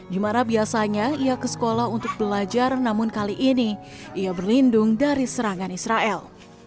di mana biasanya ia ke sekolah untuk belajar namun kali ini ia berlindung dari serangan israel